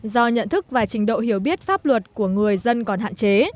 do nhận thức và trình độ hiểu biết pháp luật của người dân còn hạn chế